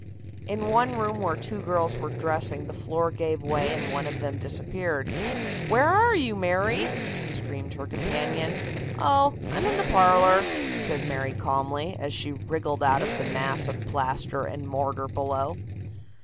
In one room where two girls were dressing the floor gave way and one of them disappeared. "Where are you, Mary?" screamed her companion. "Oh, I'm in the parlor," said Mary calmly, as she wriggled out of the mass of plaster and mortar below.